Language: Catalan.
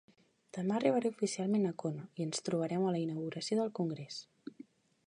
Demà arribaré oficialment a Kona i ens trobarem a la inauguració del congrés.